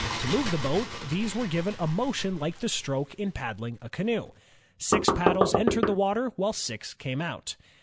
To move the boat, these were given a motion like the stroke in paddling a canoe. Six paddles entered the water, while six came out.